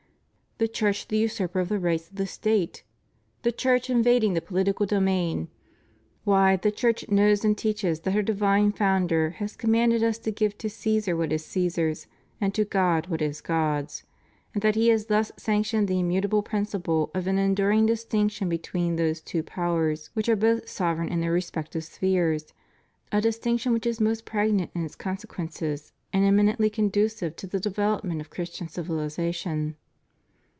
The Church the usurper of the rights of the State ! The Church invading the political domain! Why, the Church knows and teaches that her divine Founder has commanded us to give to Caesar what is Caesar's and to God what is God's, and that He has thus sanctioned the immutable principle of an enduring distinction between those two powers which are both sovereign in their respective spheres, a distinc tion which is most pregnant in its consequences and emi nently conducive to the development of Christian civiliza tion.